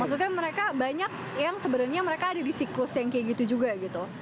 maksudnya mereka banyak yang sebenarnya mereka ada di siklus yang kayak gitu juga gitu